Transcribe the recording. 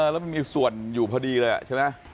แล้วมันมีส่วนอยู่พอดีเลยใช่ไหม